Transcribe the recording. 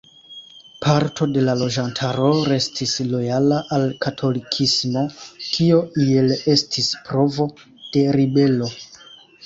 Parto de la loĝantaro restis lojala al katolikismo, kio iel estis provo de ribelo.